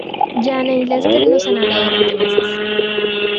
Jane y Lester no se han hablado durante meses.